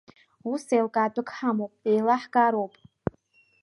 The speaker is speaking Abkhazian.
Ус еилкаатәык ҳамоуп, еилаҳкаароуп.